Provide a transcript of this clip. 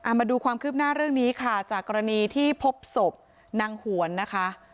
มาดูความคืบหน้าเรื่องนี้ค่ะจากกรณีที่พบศพนางหวนนะคะ